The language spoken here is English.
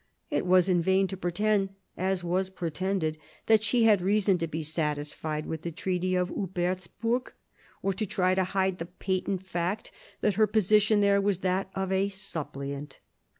It was in vain to pretend, as was pretended, that she had reason to be satisfied with the Treaty of Hubertsburg, or to try to hide the patent fact that her position there was that of a suppliant.